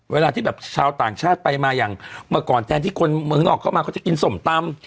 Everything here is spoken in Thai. เวลาที่แบบชาวต่างชาติไปมาอย่างเมื่อก่อนแทนที่คนเมืองนอกเข้ามาเขาจะกินส้มตำ